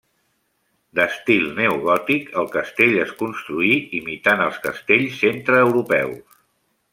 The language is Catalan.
D'estil neogòtic, el castell es construí imitant els castells centreeuropeus.